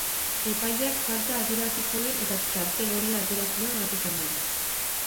Epaileak falta adierazi zuen eta txratel horia atera zion atezainari.